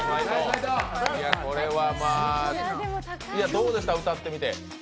どうでした、歌ってみて。